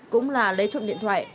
cũng là lấy trộm điện thoại